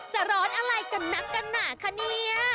จะร้อนอะไรกันนักกันหนาคะเนี่ย